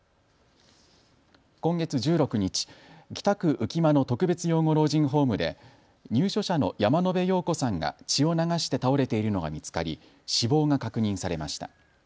今月１６日、北区浮間の特別養護老人ホームで入所者の山野邉陽子さんが血を流して倒れているのが見つかり死亡が確認されました。